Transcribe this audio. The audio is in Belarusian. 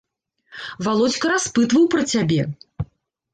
Валодзька распытваў пра цябе.